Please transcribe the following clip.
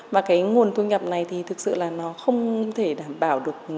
và cái nguồn thu nhập này thì thực sự là nó không thể đảm bảo được